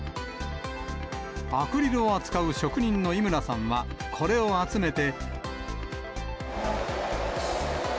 アクリルを扱う職人の井村さんは、これを集めて。